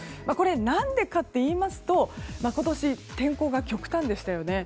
何でかといいますと今年、天候が極端でしたね。